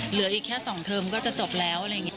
เหลืออีกแค่๒เทอมก็จะจบแล้วอะไรอย่างนี้